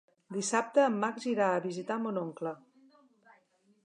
Dissabte en Max irà a visitar mon oncle.